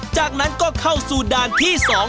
จากนั้นก็เข้าสู่ด่านที่๒